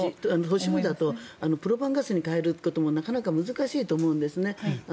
都市部だとプロパンガスに変えるのもなかなか難しいと思うんですね。